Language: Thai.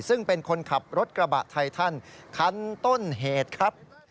ซึ่งเป็นคนขับรถกระบะไททันคันต้นเหตุครับ